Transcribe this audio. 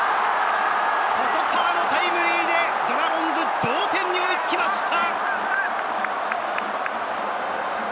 細川のタイムリーでドラゴンズ、同点に追いつきました。